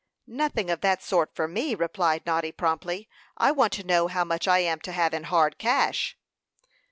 "Nothing of that sort for me," replied Noddy, promptly. "I want to know how much I am to have in hard cash."